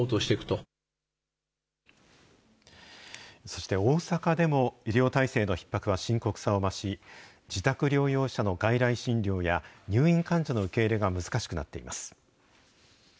そして大阪でも、医療体制のひっ迫は深刻さを増し、自宅療養者の外来診療や、入院患者の受け入れが難しくなっています。